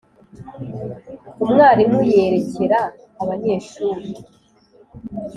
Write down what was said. umwarimu yerekera abanyeshuri,